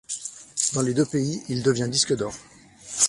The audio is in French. Dans les deux pays, il devient disque d'or.